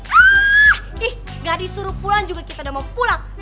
ih gak disuruh pulang juga kita udah mau pulang